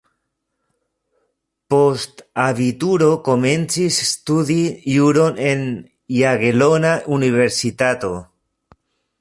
Post abituro komencis studi juron en Jagelona Universitato.